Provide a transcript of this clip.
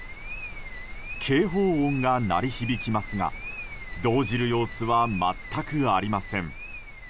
警報音が鳴り響きますが動じる様子は全くありません。